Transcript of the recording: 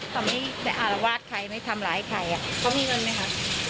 ทำให้แต่อารวาสไข่ไม่ทำร้ายไข่อ่ะเขามีเงินไหมคะ